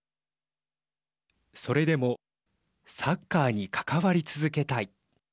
それでもサッカーに関わり続けたい。